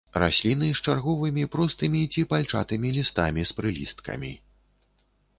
Расліны з чарговымі простымі ці пальчатымі лістамі з прылісткамі.